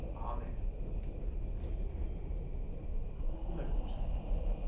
Amen. NOTE.